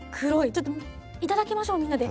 ちょっと頂きましょうみんなで。